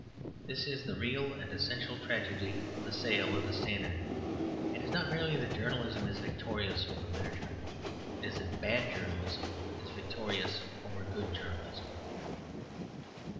This is the real and essential tragedy of the sale of the Standard. It is not merely that journalism is victorious over literature. It is that bad journalism is victorious over good journalism.